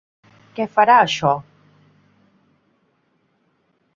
Què farà això?